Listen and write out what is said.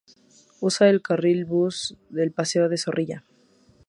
Usa el carril bus del paseo de Zorrilla.